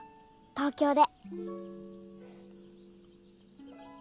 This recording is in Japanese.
東京で。